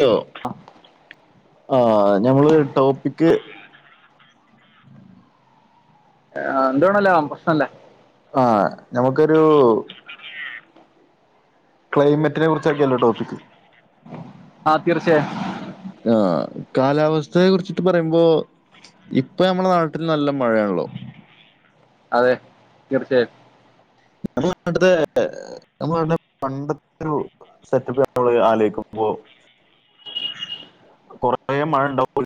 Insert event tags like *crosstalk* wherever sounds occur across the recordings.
Hello ആഹ് ഞമ്മള് topic ആഹ് എന്തോണലും ആവാം പ്രശ്നംല്ല ആഹ് നമുക്കൊരു ക്ലൈമറ്റിനെ കുറചാക്കിയലൊ ടോപിക് ആഹ് തീർചയായും ആഹ് കാലാവസ്ഥയെ കുറിച്ചിട്ട് പറയുമ്പോ ഇപ്പം നമ്മുടെ നാട്ടിൽ നല്ല മഴയാണല്ലോ അതെ തീർച്ചയായിട്ടും *unintelligible* നമ്മ ളെപണ്ടത്തെരു സെറ്റപ്പ് മ്മള് ആലോക്കുമ്പോ കൊറേ മഴ ഉണ്ടാവ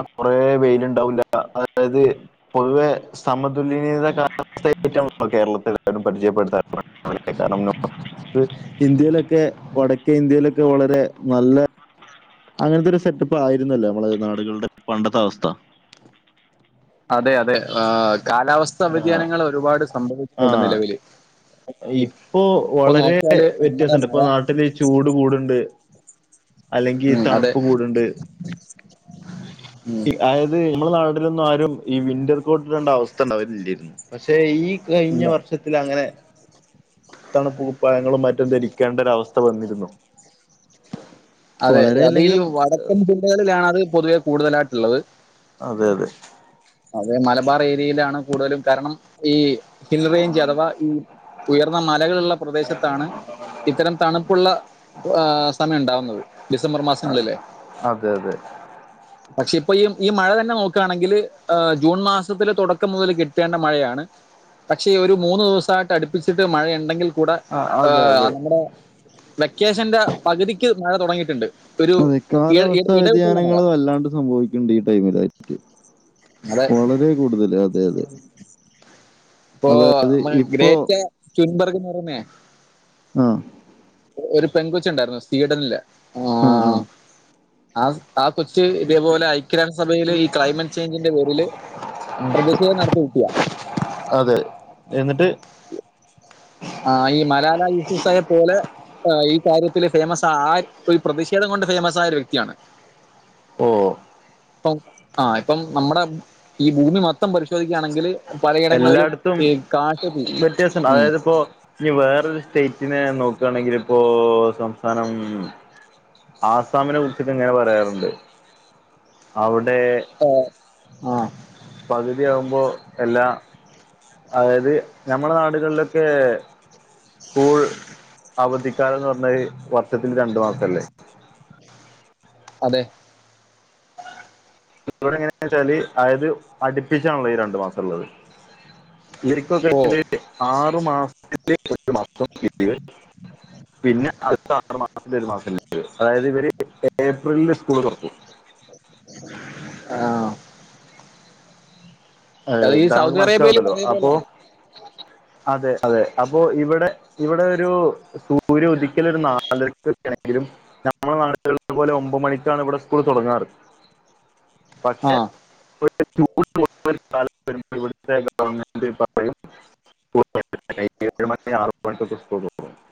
കൊറെ വെയിലുണ്ടാവില്ല അതായത് പൊതുവെ സമതുലനീത കാവസ്ഥയെകുറിച്ച് കേരളത്തില എല്ലാവരും പരിചയപ്പെടുത്താറുണ്ട് *unintelligible* ഇന്ത്യയിലൊക്കെ വടക്കേ ഇന്ത്യയിലൊക്കെ വളരെ നല്ല അങ്ങനത്തെ ഒരു സെറ്റപ്പ് ആയിരുന്നല്ലൊ നമ്മളെ നാടുകളുടെ പണ്ടത്തെ അവസ്ഥ അതെ അതെ ആഹ്കാലാവസ്ഥ ആ, വ്യതിയാനങ്ങൾ ഒരുപാട് ആ സംഭവിച്ചിട്ടുണ്ട് നിലവില് ഇപ്പോ ഇപ്പൊ വളരെ നോക്കിയാല് നമ്മുടെ വ്യത്യാസണ്ട് മഴ ഇപ്പോ നാ നാട്ടില് ചൂട് കൂടുണ്ട് അല്ലെങ്കി ഉം അതെ തണുപ്പ് കൂടുണ്ട് ഉം അതായത് നമ്മുടെ നാട്ടിലൊന്നും ആരും ഈ വിന്റർ കോട്ട് ഇടണ്ട അവസ്ഥ ഇണ്ടാവല് ഇല്ലരുന്നു പക്ഷെ ഈ കഴിഞ്ഞ ഇല്ല വർഷത്തിൽ അങ്ങനെ തണുപ്പു കുപ്പായങ്ങളും മറ്റും ധരിക്കേണ്ടരവസ്ഥ വന്നിരുന്നു അതെ വളരെ അത് ഈ അല്ലെങ്കിലും വടക്കൻ ജില്ലകളിലാണ് അത് പൊതുവെ കൂടുതലായിട്ടുള്ളത് അതെ അതെ അതെ മലബാർ ഏരിയയിലാണ് കൂടുതലും കാരണം ഈ ഹിൽറേഞ്ച് അഥവാ ഈ ഉയർന്ന മലകളുള്ള പ്രദേശത്താണ് ഇത്തരം തണുപ്പുള്ള സമയം ഇണ്ടാവുന്നത് ഡിസംബർ മാസങ്ങളില് അതെ *inaudible* പക്ഷെ ഇപ്പൊ ഈ ഈ മഴ തന്നെ നോക്കുകയാണെങ്കിൽ ജൂൺ മാസത്തിലെ തൊടക്കം മുതൽ കിട്ടേണ്ട മഴയാണ് പക്ഷേ ഒരു മൂന്ന് ദിവസായിട്ട് അടുപ്പിച്ചിട്ട് മഴ ഉണ്ടെങ്കിൽ കൂടെ ആ ഹേ അതെ അതെ നമ്മുടെ വെക്കേഷന്റെ പകുതിക്ക് മഴ തുടങ്ങിയിട്ടുണ്ട് ഒരു അതെ ഇട- ഇട- കാലാവസ്ഥ ഇടവിട്ടുള്ള മഴ വ്യതിയാനങ്ങൾ വല്ലാണ്ട് സംഭവിക്കുന്നുണ്ട് ഈ ടൈമിലായിട്ട് അതെ വളരെ കൂടുതൽ അതെ അതെ ഇപ്പൊ അതായത് ഇപ്പോ ഗ്രേറ്റ ചുൻബർഗന്ന് പറുന്നേ ആഹ് ഒരു പെൺ കൊച്ചി ഉണ്ടായിരുന്നു സ്വീഡനില്ല ആ ഉം ഉം ആ ആ കൊച്ച് ഇതേപോലെ ഐക്യരാഷ്ട്രസഭയില് ഈ ക്ലൈമറ്റ് ചേഞ്ചിന്റെ പേരില് പ്രതിഷേധം നടത്തി ഇരിക്കുവാ അതെ എന്നിട്ട് ആ ഈ മലാല യൂസഫ്സായെ പോലെ ആ ഈ കാര്യത്തില് ഫേമസ് ആ ഒരു പ്രതിഷേധം കൊണ്ട് ഫേമസ് ആയ ഒരു വ്യക്തിയാണ് ഓ പ്പം ആ ഇപ്പം നമ്മുടെ ഈ ഭൂമി മൊത്തം പരിശോധിക്കുകയാണെങ്കിൽ പലയിടങ്ങളിലും എല്ലായിടത്തും ഈ കാട്ടുതീ വ്യത്യാസണ്ട് ഉം. അതായത്പ്പോ ഇനി വേറൊരു സ്റ്റേറ്റിനെ നോക്കയാണെങ്കിലിപ്പോ സംസ്ഥാനം ആസാമിനെ കുറിച്ചിട്ട് ഇങ്ങനെ പറയാറുണ്ട് അവിടെ അ ആഹ പകുതിയാകുമ്പോ എല്ലാ അതായത് നഞമ്മളെ നാടുകളിലൊക്കെ സ്കൂൾ അവധിക്കാലന്ന് പറഞ്ഞൽ വർഷത്തി രണ്ടു മാസക്കാലം അലോ അതെ ഇ എങ്ങനെയ വെച്ചാല് അതായത് അടിപ്പിച്ചാണല്ലത് ഈ രണ്ടു മാസം ഉള്ളത് ഇക്ക ഓ കഴി ആറു മാസത്തിലെ ഒരു മാസം *inaudible* പിന്നെ അ ആറ്ു മാസ മാസ അതായത് ഇവര് ഏപ്രിലില് സ്കൂള് തുറക്കും ആഹ ഏ തമുക്ക് സൗദി അറേബ്യയിലും മനസ്സിലാവുന്നല്ലോ അപ്പോ അതേപോലെയാണ് അതെ അതെ അപ്പോ ഇവിടെ ഇവിടെ ഒരു സൂര്യ ഉദിക്കല ഒരു നാലക്ക വണെങ്കിലും നമ്മുടെ നാട്ടില പോലെ ഒമ്പ മണിക്കാണ് ഇവിടെ സ്കൂൾ തുടങ്ങാറ് ആ പക്ഷേ *inaudible* *inaudible*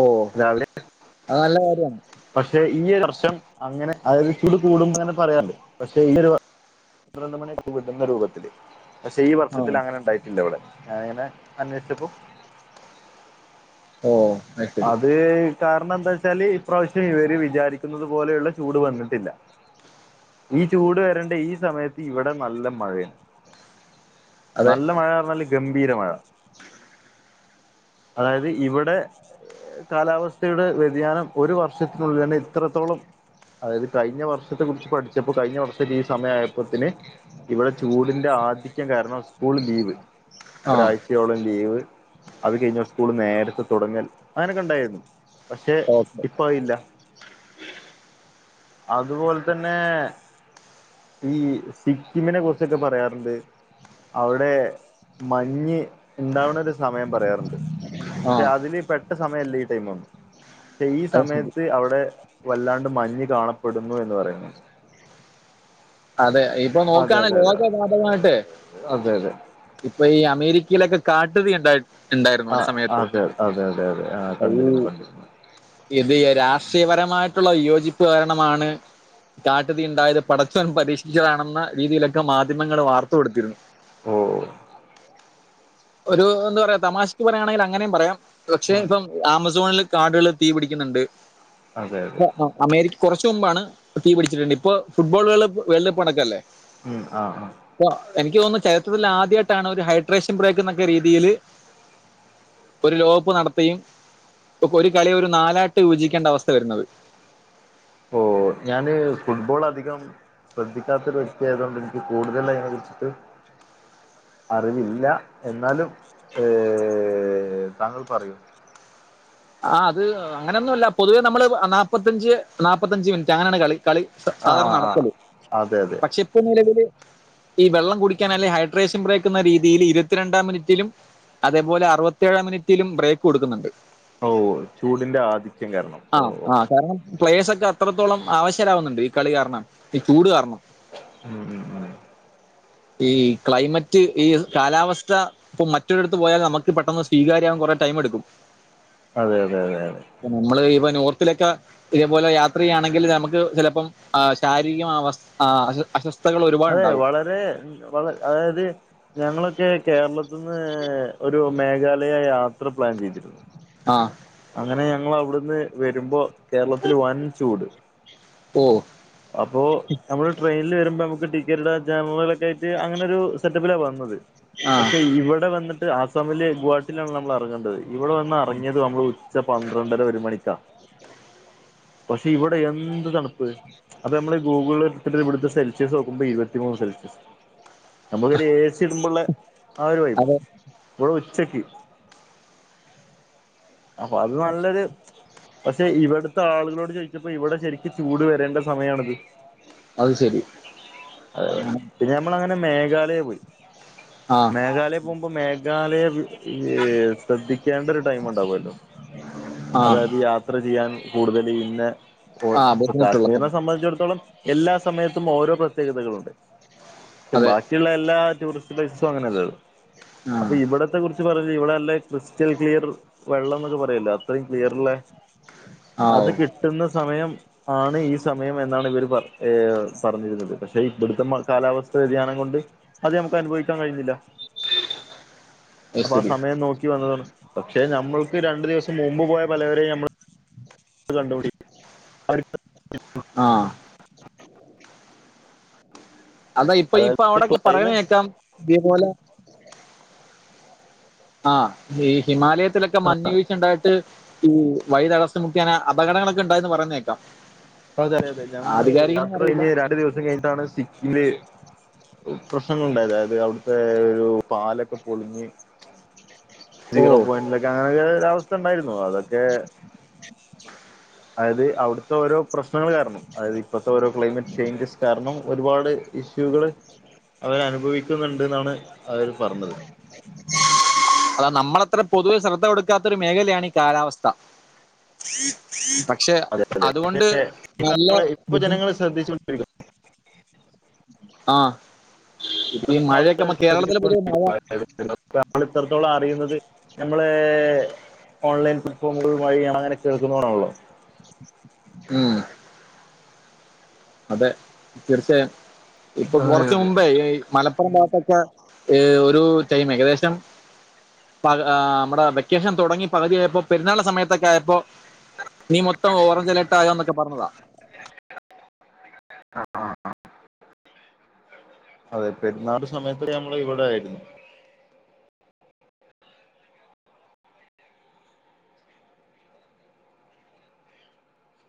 ഓ തുറക്കും രാവിലെ അത് നല്ല കാര്യമാണ് പക്ഷെ ഈ ഒരു വർഷം അങ്ങനെ അതായത് ചൂട് കൂടുമ്പങ്ങനെ പറയാണ്ട് പക്ഷെ ഈരു മണിയവിർുന്ന രൂപത്തില് പക്ഷെ ഈ ആ വർഷത്തിൽ അങ്ങനെ ഉണ്ടായിട്ട് ഇല്ല ഇവിടെ അങ്ങനെ അന്വേഷിച്ചപ്പോ ഓ ശരി അത് കാരണം എന്താ വച്ചാല് ഇപ്രാവശ്യം ഇവര് വിചാരിക്കുന്നത് പോലെയുള്ള ചൂട് വന്നിട്ടില്ല ഈ ചൂട് വരേണ്ട ഈ സമയത്ത് ഇവിടെ നല്ല മഴയാണ് നല്ല മഴ പറഞ്ഞാല് ഗംഭീര മഴ ഉം അതായത് ഇവിടെ കാലാവസ്ഥയുടെ വ്യതിയാനം ഒരു വർഷത്തിനുള്ളിൽ തന്നെ ഇത്രത്തോളം അതായത് കഴിഞ്ഞ വർഷത്തെ കുറിച്ച് പഠിച്ചപ്പോ കഴിഞ്ഞ വർഷീ സമയയപ്പോത്തിന് ഇവിടെ ചൂടിന്റെ ആധിക്യം കാരണം സ്കൂൾ ലീവ് ആ ഒരാഴ്ച ചച്ചയോളം ലീവ് അത് കഴിഞ്ഞ സ്കൂള് നേരത്തെ തുടങ്ങൽ അങ്ങനെയൊക്കെ ഉണ്ടായിരുന്നു പക്ഷെ ഓക്കെ ഇപ്പ ആയില്ല അതുപോലെ തന്നെ ഈ സിക്കിമിനെ കുറിച്ചൊക്കെ പറയാറുണ്ട് അവിടെ മഞ്ഞ് ഉണ്ടാവുന്ന ഒരു സമയം പറയാറുണ്ട് ആ പക്ഷെ അതില് പെട്ട സമയല്ലേ ഈ ടൈമ ഒ പക്ഷെ ഈ അത് ശരി സമയത്ത് അവിടെ വല്ലാണ്ട് മഞ്ഞ് കാണപ്പെടുന്നു എന്ന് പറയുന്നു അതെ ഇപ്പൊ അതെ നോക്കണ അതെ അതെ ലോക ജാപകമായിട്ട് അതെ അതെ ഇപ്പെ ഈ അമേരിക്കയിലൊക്കെ കാട്ടുതീ ഉണ്ടായി ഉണ്ടായിരുന്നു ഒരു ആഹ് സമയത്ത് അതെ അതെ തെ തെ ആഹ് ഈ കണ്ടിരുന്നു കണ്ടിരുന്നു ഇത് രാഷ്ട്രീയപരമായിട്ട്ള്ള വിയോജിപ്പ് കാരണമാണ് കാട്ടുതീ ഉണ്ടായത് പടച്ചവൻ പരീക്ഷിച്ചതാണെന്ന രീതിയിലൊക്കെ മാധ്യമങ്ങള് വാർത്ത കൊടുത്തിരുന്നു ഓഹ് ഒരു എന്താ പറയാ തമാശക്ക് പറയുകയാണെങ്കിൽ അങ്ങനെയും പറയാം പക്ഷെ ഉം, ഇപ്പം ആമസോൺല് കാടുകള് തീ പിടിക്ക്ന്ന്ണണ്ട്. അതെ അതെ ആഹ് ആ അമേരിക് കൊറച്ച് മുമ്പാണ് തീ പിടിച്ചിട്ടുണ്ട് ഇപ്പൊ ഫുട്ബോള ള് വേൾഡ് അപ്പ് അട്ക്കല്ലേ? മ് ആഹ് ഉവ്വ എനിക്ക് തോന്നു ചരിത്രത്തില് ആദ്യയിട്ടാണ് ഒരു ഹൈഡ്രേഷൻ ബ്രേക്ക് ന്നൊക്കെ രീതില് ഒരു ലോപ്പ് നടത്തിയും ഒരു കളി ഒരു നാലാട്ട് വിപചിക്കേണ്ട അവസ്ഥ വരുന്നത്. ഓഹ് ഞാന് ഫുട്ബോള് അധികം ശ്രദ്ധിക്കാത്ത ഒരു വ്യക്തിയതുകൊണ്ട് ഇനിക്ക് കൂടുതലൈനെ കുറിച്ചിട്ട് അറിവില്ല. എന്നാലും ഏഹ് താങ്കൾ പറയൂ. ആഹ് അത് അങ്ങനൊന്നുല്ല പൊതുവേ നമ്മള് ആ നാപ്പത്തഞ്ച് നാപ്പത്തഞ്ച് മിനിറ്റ് അങ്ങനാണ് കളി. കളി ആ ആ സാധാരണ ആ നടത്തല് അതെ അതെ പക്ഷെ ഇപ്പൊ നിലവില് ഈ വെള്ളം കുടിക്കാൻ അല്ലെ ഹൈഡ്രേഷൻ ബ്രേക്ക്ന്ന രീതിയില് ഇരുപത്തി രണ്ടാം മിനിറ്റിലും അതേപോലെ അറുപത്തേഴ മിനിറ്റിലും ബ്രേക്ക് കൊടുക്ക് ന്ന്ണ്ട്. ഓഹ് ചൂടിന്റെ ആധിത്യം കാരണം. ഓ ആഹ് ഓ ആ കാരണം പ്ലേയേസ് ഒക്കെ അത്രത്തോളം ആവശ്യരാവുന്നുണ്ട്. ഈ കളി കാരണം ഈ ചൂട് കാരണം. ഉം മ് മ്. ഈ ക്ലൈമറ്റ് ഈ കാലാവസ്ഥാ ഇപ്പൊ മറ്റൊരിടത്ത് പോയാൽ നമക്ക് പെട്ടന്ന് സ്വീകാര്യാകാൻ കൊറേടൈം എട്ക്കും. അതെ തേ തേ തേ. നമ്മള് ഇപ നോർത്തിലൊക്കെ ഇതേപോലെ യാത്രയാണെങ്കില് നമുക്ക് ചെലപ്പം ആ ശാരീരികം അവസ്ഥ ആ അസ്വ അസ്വസ് അതേ വളരെ വളെ അതായത് ഞങ്ങളൊക്കെ കേരളത്ത്ന്ന് ഒരു മേഘാലയ യാത്ര പ്ലാൻ ചെയ്തിരുന്നു ആഹ് അങ്ങനെ ഞങ്ങള് ഔട്ന്ന് വെരുമ്പോ കേരളത്തില് വൻ ചൂട് ഓഹ് അപോ ന ശരിമ്മള് ട്രെയിനില് വെരുമ്പോ നമ്മക്ക് ടിക്കറ്റ് ജനെറലൊകായ്റ്റ് അങ്ങനെ ഒരു സെറ്റപ്പിലാ വന്നത്. ആ പക്ഷെ ഇവിടെ വന്നിട്ട് ആസാമില് ഗുഹാട്ടിലാണ് അമ്മള് എറങ്ങേണ്ടത്, ഇവിടെ വന്ന് അറങ്ങിയതു അമ്മള് ഉ ച്ച പന്ത്രണ്ടര ഒരു മണിക്കാ പഷേ ഇവിടെ എന്ത് തൺപ്പ് അത് അമ്മള് ഈ ഗൂഗ്ള് എട്ത്തിട്ട് ഇവിടുത്തെ സെൽശ്യസ് നോക്കുമ്പോ ഇരുപത്തിമൂന്ന് സെൽശ്യസ്. അമ്മക് ഒരു എ. സി ഇടുമ്പമ്പോള്ളെ ആ ഒരു വൈബ് അതെ ഇവ്ടെ ഉച്ചക്ക് അപ്പൊ അത് നല്ലൊര് പഷേ ഇവട്ത്തെ ആളുകളോട് ചോയ്ച്ചപ്പം ഇവിടെ ശെരിക്ക് ചൂട് വരേണ്ട സമയാണിത്. അത് ശെരി. അതെ തെ പിന്നെ ഞമ്മള് അങ്ങനെ മേഘാലയ പോയി. ആ മേഘാലയ ഇത് മുമ്പ് മേഘാലയ ശ്രദ്ധിക്കേണ്ട ഒരു ടൈം മുണ്ടാവുല്ലോ ആ അതായത് യാത്ര ചെയ്യാൻ കൂടുതല് ഇന്നെ ഇപോൾ ആ ബുദ്ധിമുട്ടുള്ള കാശ്മീരിനെ സമയം സംബന്ധിച്ച്ടത്തോളം എല്ലാ സമയത്തും ഓരോ പ്രത്യേകതകളുണ്ട് *unintelligible* അതെ ബാക് ക്കിള്ളെല്ലാ എല്ലാ ടൂറിസ്റ്റ് പ്ലേസും അങ്ങനെ അല്ലല്ലോ ആ അപ്പൊ ഇവിടത്തെ കുറിച്ച് പറഞ്ഞ ഇവിടെ അല്ലെ ക്രിസ്റ്റൽ ക്ലിയർ വെള്ളം ന്നൊക്കെ പറയല്ലോ അത്രയും ക്ലിയറിള്ളെ ആ അത് ഓ കി ട്ട്ന്ന സമയം ആണ് ഈ സമയം എന്നാണ് ഇവര് പറ ഏഹ് പറഞ്ഞിരുന്നത് പക്ഷെ ഇവ്ട്ത്തെ കാലാവസ്ഥ വ്യതിയാനം കൊണ്ട് അത് ഞമക്ക് അനുഭവിക്കാ കഴിയുന്നില്ല. *inaudible* അത് അപ്പൊ ആ ശരി സമയം നോക്കി *unintelligible* പക്ഷെ ഞമ്മൾക്ക് രണ്ടു *unintelligible* *unintelligible* മുമ്പ് പോയ *unintelligible* *unintelligible* ആ *unintelligible* ഇപ്പ ഇപ്പ അതായത് അവിടൊക്കെ പറയണ ക്ലൈമറ്റ് കേക്കാം *unintelligible* ആ ഈ ഹിമാലയത്തിലൊക്കെ മഞ്ഞ് വിയ്‌ചണ്ടായിട്ട് *unintelligible* അപകടങ്ങളൊക്കെ ഉണ്ടായെന്ന് പറയുന്നേ കേക്കാം *unintelligible* അറിയില്ല രണ്ട് ദിവസം കൈഞ്ഞിട്ട് അവടെ *unintelligible* *unintelligible* പ്രശ്നങ്ങളുണ്ടായത് *unintelligible* അവിട്തെ ഒരു പാലൊക്കെ പൊളിഞ്ഞ് ഓ സീറോ പോയിന്റിലൊക്കെ അങ്ങനൊക്കെ ഒരവസ്ഥ ണ്ടായിരുന്നു അതൊക്കെ *inaudible* അതായത് അവിട്ത്തെ ഓരോ പ്രശ്നങ്ങള് *unintelligible* *unintelligible* ഇപ്പത്തെ ഓരോ ക്ലൈമറ്റ് ചേഞ്ചസ് കാരണം ഒരുപാട് ഇഷ്യൂകള് അവര് അനുഭവിക്കുന്നുണ്ട് ന്നാണ് അവര് പറണത് അതാ നമ്മളത്ര പൊതുവെ ശ്രദ്ധ കൊടുക്കാത്ത ഒരു മേഖലയാണ് ഈ കാലാവസ്ഥ പക്ഷെ അതെ അതെ, അതുകൊണ്ട് നല്ല നമ്മള് ഇപ്പൊ ജനങ്ങൾ *unintelligible* *inaudible* ആ ഏ മഴയൊക്കെ ആളുകൾ *unintelligible* ശ്രദ്ധിച്ചു കേരളത്തിലെ *unintelligible* *unintelligible* അറിയുന്നത് ഞമ്മളെ ഓൺലൈൻ *unintelligible* ഉം അതെ തീർച്ചയായും ഇപ്പൊ അതെ കൊറച്ച അതെ മുമ്പേ ഈ *unintelligible* *unintelligible* ഏ ഒരു ടൈം ഏകദേശം പ ഏ മ്മടെ വെക്കേഷൻ തുടങ്ങി പകുതിയായപൊ പെരുന്നാൾന്റെ സമയത്തൊക്കെ ആയപ്പോ *unintelligible* മൊത്തം ഓഞ്ച് അലർട്ട് ആയോന്നൊക്കെ പറഞതാ അ ആ അതെ പെരുന്നാള് സമയത്ത് ഞമ്മൾ ഇവിടെയിരുന്നു